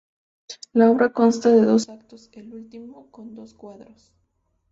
La obra consta de dos actos, el último con dos cuadros.